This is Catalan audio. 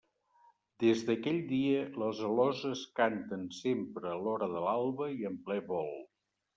»Des d'aquell dia les aloses canten sempre a l'hora de l'alba i en ple vol.